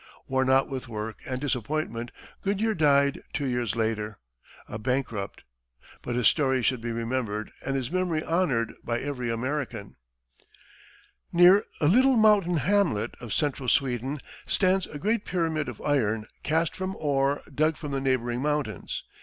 '" Worn out with work and disappointment, Goodyear died two years later, a bankrupt. But his story should be remembered, and his memory honored, by every American. Near a little mountain hamlet of central Sweden stands a great pyramid of iron cast from ore dug from the neighboring mountains.